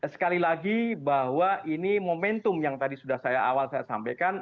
sekali lagi bahwa ini momentum yang tadi sudah saya awal saya sampaikan